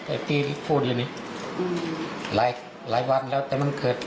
ไอ้พี่พูดอย่างนี้อืมหลายหลายวันแล้วแต่มันเกิด